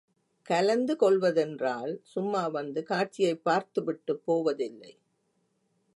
கலந்து கொள்வதென்றால், சும்மா வந்து காட்சியைப் பார்த்துவிட்டுப் போவதில்லை.